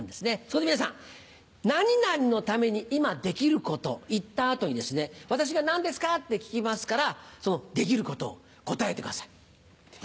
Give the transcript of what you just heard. そこで皆さん「何々のために今できること」言った後に私が「何ですか？」って聞きますからそのできることを答えてください。